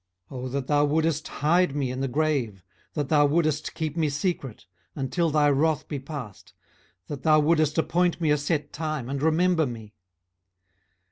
18:014:013 O that thou wouldest hide me in the grave, that thou wouldest keep me secret, until thy wrath be past, that thou wouldest appoint me a set time, and remember me!